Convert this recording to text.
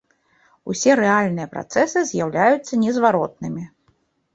Усе рэальныя працэсы з'яўляюцца незваротнымі.